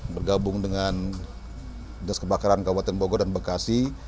bergabung dengan dinas kebakaran kabupaten bogor dan bekasi